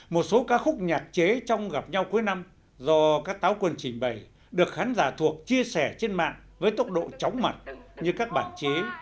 một số ca khúc nhạc chế trong gặp nhau cuối năm do các táo quân trình bày được khán giả thuộc chia sẻ trên mạng với tốc độ chóng mặt như các bản chế